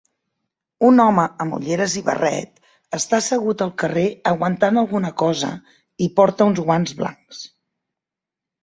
Un home amb ulleres i barret està assegut al carrer aguantant alguna cosa i porta uns guants blancs